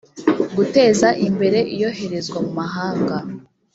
guteza imbere iyoherezwa mu mahanga